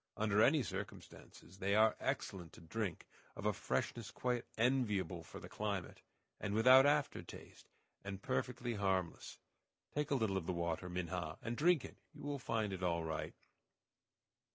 Under any circumstances, they are excellent to drink, of a freshness quite enviable for the climate, and without after taste, and perfectly harmless. Take a little of the water, Minha, and drink it; you will find it all right."